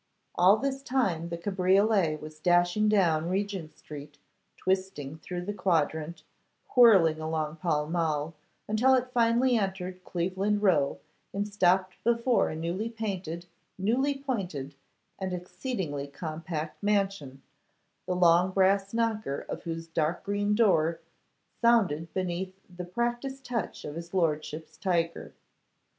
All this time the cabriolet was dashing down Regent street, twisting through the Quadrant, whirling along Pall Mall, until it finally entered Cleveland row, and stopped before a newly painted, newly pointed, and exceedingly compact mansion, the long brass knocker of whose dark green door sounded beneath the practised touch of his lordship's tiger.